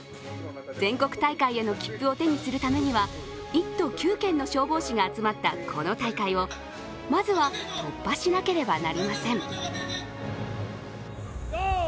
全国大会への切符を手にするためには１都９県の消防士が集まったこの大会をまずは突破しなければなりません。